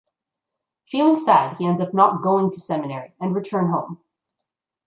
Feeling sad he ends up not going to seminary and return home.